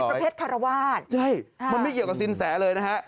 อยู่ในประเภทคารวาลใช่มันไม่เกี่ยวกับสินแสเลยนะฮะ